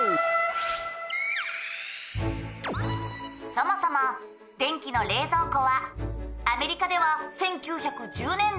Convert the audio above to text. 「そもそも電気の冷蔵庫はアメリカでは１９１０年代には存在」